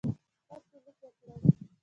ښه سلوک وکړي.